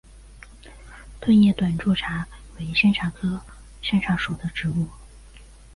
钝叶短柱茶为山茶科山茶属的植物。